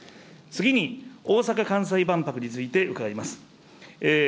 次に、大阪・関西万博について伺います。